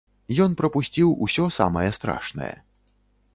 Ён прапусціў ўсё самае страшнае.